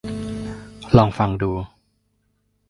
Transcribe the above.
ลองฟังดู